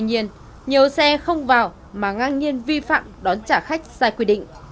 nhiều xe không vào mà ngang nhiên vi phạm đón trả khách sai quy định